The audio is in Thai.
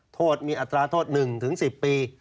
โทษมีอัตราโทษหนึ่งถึงสิบปีแต่อันเนี้ยคุณมินพูด